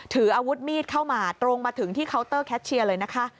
ถืออาวุธมีดเข้ามาตรงมาถึงที่เคาน์เตอร์แคชเชียร์เลยนะคะ